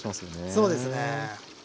そうですね。